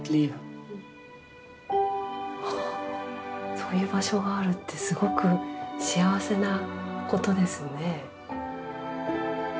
そういう場所があるってすごく幸せなことですね。